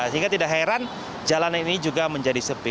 sehingga tidak heran jalan ini juga menjadi sepi